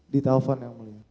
di telepon yang mulia